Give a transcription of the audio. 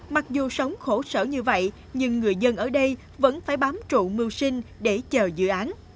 mặc dù sống khổ sở như vậy nhưng người dân ở đây vẫn phải bám trụ mưu sinh để chờ dự án